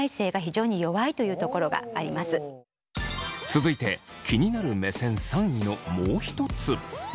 続いて気になる目線３位のもう一つ。